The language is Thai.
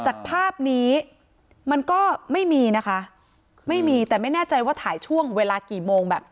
จากภาพนี้มันก็ไม่มีนะคะไม่มีแต่ไม่แน่ใจว่าถ่ายช่วงเวลากี่โมงแบบ